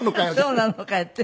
「そうなのかよ」って？